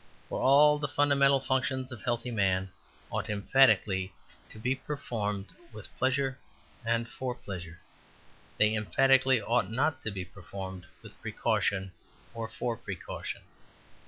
For all the fundamental functions of a healthy man ought emphatically to be performed with pleasure and for pleasure; they emphatically ought not to be performed with precaution or for precaution.